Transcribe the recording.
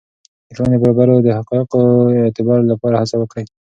د ټولنې د برابریو د حقایقو د اعتبار لپاره هڅه وکړئ.